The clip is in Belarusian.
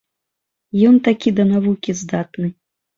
Ён такі да навукі здатны!